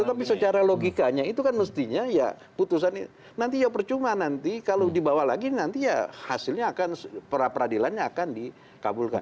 tetapi secara logikanya itu kan mestinya ya putusan ini nanti ya percuma nanti kalau dibawa lagi nanti ya hasilnya akan peradilannya akan dikabulkan